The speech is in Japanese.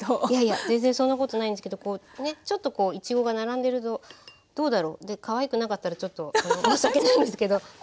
いやいや全然そんなことないんですけどこうねちょっといちごが並んでるとどうだろうかわいくなかったら申し訳ないんですけど。